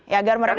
ya agar mereka ini